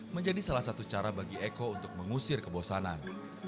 menjadi salah satu cara bagi eko untuk mengusir kebosanan